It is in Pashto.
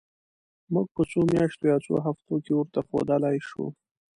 موږ په څو میاشتو یا څو هفتو کې ورته ښودلای شو.